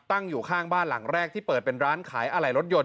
ตั้งอยู่ข้างบ้านหลังแรกที่เปิดเป็นร้านขายอะไหล่รถยนต